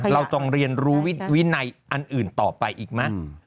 เราต้องเรียนรู้วินัยอันอื่นต่อไปอีกไหม